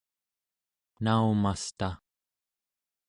naumasta